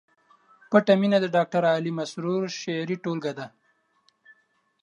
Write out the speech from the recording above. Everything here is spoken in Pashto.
پټه مینه د ډاکټر علي مسرور شعري ټولګه ده